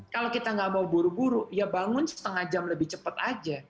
kalau kita nggak mau buru buru ya bangun setengah jam lebih cepat aja